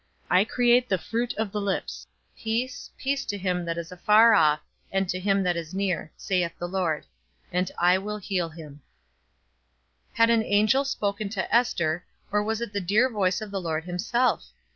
I create the fruit of the lips; Peace, peace to him that is afar off, and to him that is near, saith the Lord; and I will heal him." Had an angel spoken to Ester, or was it the dear voice of the Lord himself?